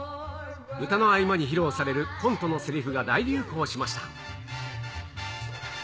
歌の合間に披露されるコントのせりふが大流行しました。